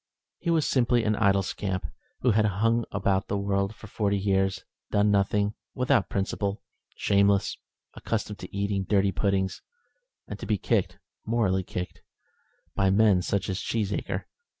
He was simply an idle scamp, who had hung about the world for forty years, doing nothing, without principle, shameless, accustomed to eat dirty puddings, and to be kicked morally kicked by such men as Cheesacre.